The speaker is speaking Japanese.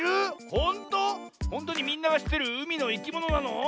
ほんとにみんながしってるうみのいきものなの？